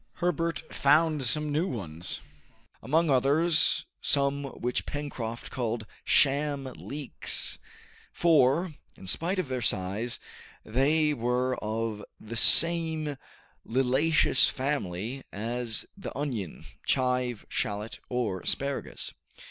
Herbert found some new ones, among others some which Pencroft called "sham leeks"; for, in spite of their size, they were of the same liliaceous family as the onion, chive, shallot, or asparagus.